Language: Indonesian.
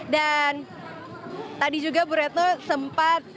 dan tadi juga bu reto sempat